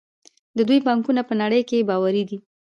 د دوی بانکونه په نړۍ کې باوري دي.